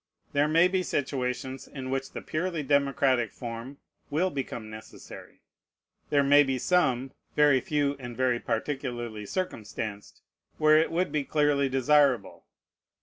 There may be situations in which the purely democratic form will become necessary. There may be some (very few, and very particularly circumstanced) where it would be clearly desirable.